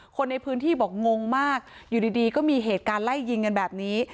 คนในพื้นที่บอกงงมากอยู่ดีก็มีเหตุการณ์ไล่ยิงกันแบบนี้